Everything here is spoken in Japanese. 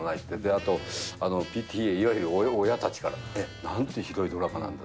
あと、ＰＴＡ、いわゆる親たちから、なんてひどいドラマなんだ。